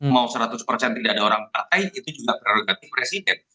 mau seratus persen tidak ada orang partai itu juga prerogatif presiden